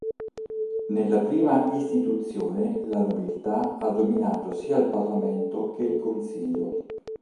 Nella prima istituzione la nobiltà ha dominato sia il Parlamento che il Consiglio.